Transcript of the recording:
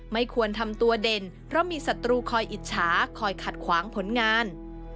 ไม่ควรทำตัวเด่นเพราะมีศัตรูคอยอิจฉาคอยขัดขวางผลงาน